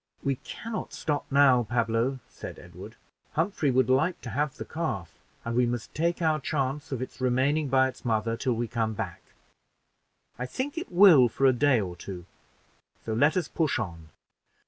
"We can not stop now, Pablo," said Edward. "Humphrey would like to have the calf, and we must take our chance of its remaining by its mother till we come back. I think it will for a day or two, so let us push on."